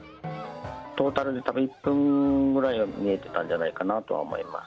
トータルでたぶん１分ぐらいは見えてたんじゃないかなと思います。